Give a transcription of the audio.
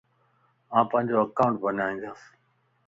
آن پانجو اڪائونٽ بنائيندياس